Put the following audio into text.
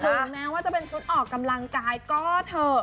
ถึงแม้ว่าจะเป็นชุดออกกำลังกายก็เถอะ